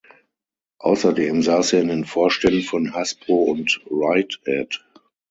Außerdem saß er in den Vorständen von Hasbro und Rite Aid.